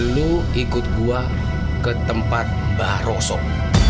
lu ikut gua ke tempat mbah rosok